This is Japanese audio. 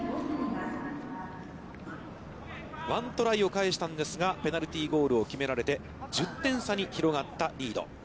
１トライを返したんですが、ペナルティーゴールを決められて１０点差に広がったリード。